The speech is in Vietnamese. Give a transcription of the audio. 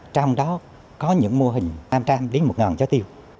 trong đó có những mô hình ba trăm linh đến một trái